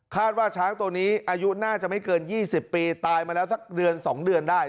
ว่าช้างตัวนี้อายุน่าจะไม่เกิน๒๐ปีตายมาแล้วสักเดือน๒เดือนได้